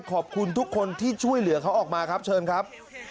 ขอบคุณทุกคนที่ช่วยเหลือเขาออกมาครับเชิญครับ